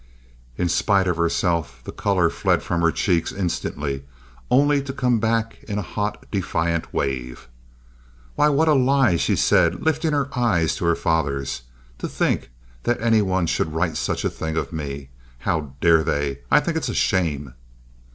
In spite of herself the color fled from her cheeks instantly, only to come back in a hot, defiant wave. "Why, what a lie!" she said, lifting her eyes to her father's. "To think that any one should write such a thing of me! How dare they! I think it's a shame!"